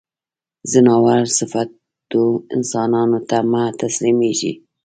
ځناور صفتو انسانانو ته مه تسلیمېږی.